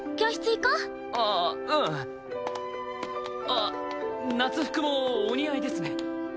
あっ夏服もお似合いですね。